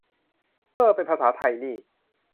"เฮ้อ" เป็นภาษาไทยนี่